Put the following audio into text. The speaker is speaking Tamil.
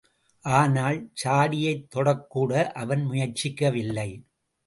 ஆனால் சாடியைத் தொடக்கூட அவன் முயற்சிக்கவில்லை.